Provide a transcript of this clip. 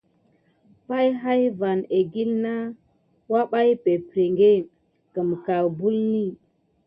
Pay hayi va akelin na kubaye perpriké asane kubeline.